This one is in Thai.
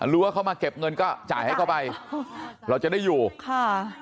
รู้ว่าเขามาเก็บเงินก็จ่ายให้เข้าไปเราจะได้อยู่ค่ะ